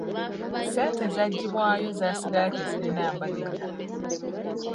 Ssente ezagibwayo zasigala tezirina mbalirira.